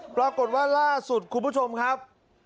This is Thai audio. ปรากฏว่าล่าสุดคุณผู้ชมครับ